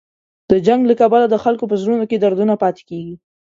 د جنګ له کبله د خلکو په زړونو کې دردونه پاتې کېږي.